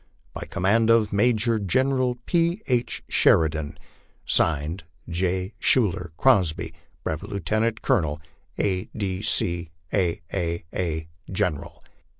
By command of Major General P. n. SHERIDAN. (Signed) J. SCIIUYLER CROSBY, Brevet Lieutenant Colonel, A. D. C., A. A. A. General.